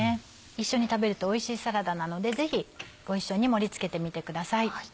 一緒に食べるとおいしいサラダなのでぜひご一緒に盛り付けてみてください。